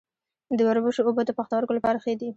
د وربشو اوبه د پښتورګو لپاره ښې دي.